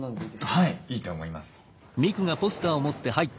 はいいいと思います。